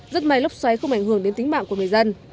rất may lốc xoáy không ảnh hưởng đến tính mạng của người dân